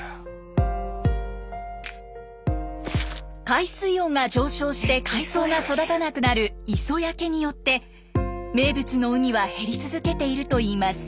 海水温が上昇して海藻が育たなくなる磯焼けによって名物のウニは減り続けているといいます。